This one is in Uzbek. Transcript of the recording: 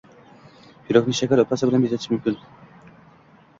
Pirogni shakar upasi bilan bezatish mumkin